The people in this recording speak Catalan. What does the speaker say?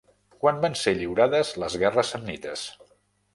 Quan van ser lliurades les guerres samnites?